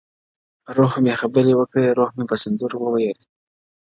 o روح مي خبري وکړې روح مي په سندرو ويل؛